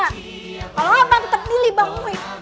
kalau abang tetep pilih bang muhid